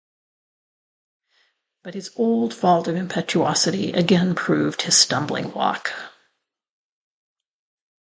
But his old fault of impetuosity again proved his stumbling-block.